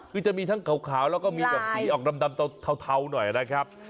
คือจะมีทั้งขาวแล้วก็มีแบบสีออกดำเทาหน่อยนะครับ